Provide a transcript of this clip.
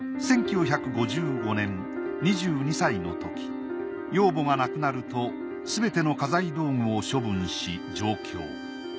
１９５５年２２歳のとき養母が亡くなるとすべての家財道具を処分し上京。